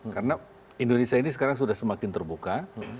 karena indonesia ini sekarang sudah semakin terbuka